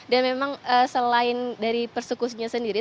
dan memang selain dari persekusinya sendiri